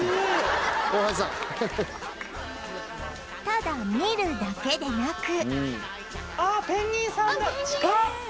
ただ見るだけでなく